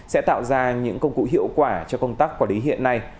sẽ tạo ra những công cụ hiệu quả cho công tác quản lý hiện nay